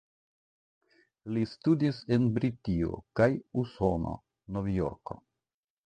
Li studis en Britio kaj Usono (Novjorko).